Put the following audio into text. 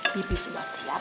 bibi sudah siap